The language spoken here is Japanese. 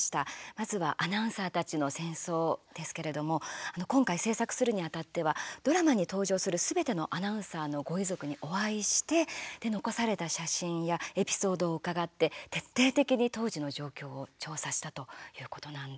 まずは「アナウンサーたちの戦争」ですけれども今回、制作するにあたってはドラマに登場するすべてのアナウンサーのご遺族にお会いして、残された写真やエピソードを伺って徹底的に当時の状況を調査したということなんです。